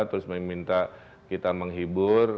terus meminta kita menghibur